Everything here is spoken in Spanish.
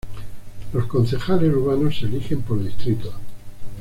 Los concejales urbanos se eligen por distritos.